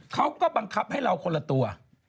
เขาก็บังคับให้เราคนละตัว